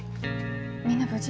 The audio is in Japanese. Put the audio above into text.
みんな無事？